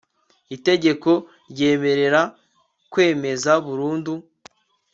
Itegeko ryemerera kwemeza burundu